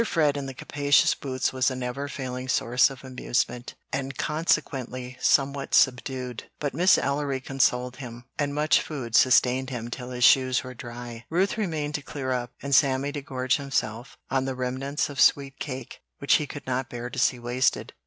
Fred in the capacious boots was a never failing source of amusement, and consequently somewhat subdued. But Miss Ellery consoled him, and much food sustained him till his shoes were dry. Ruth remained to clear up, and Sammy to gorge himself on the remnants of "sweet cake" which he could not bear to see wasted.